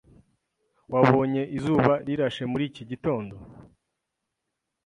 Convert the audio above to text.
Wabonye izuba rirashe muri iki gitondo?